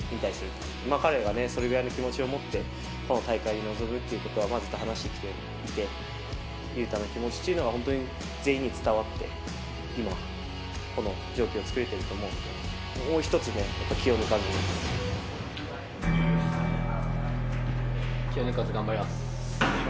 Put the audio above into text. もう、彼がそれぐらいの気持ちを持って、この大会に臨むってことはずっと話してきていて、雄太の気持ちっていうのは、本当、全員に伝わって、今この状況を作れているので、もう一つね、やっぱり気を抜かず気を抜かず頑張ります。